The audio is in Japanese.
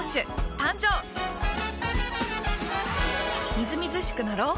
みずみずしくなろう。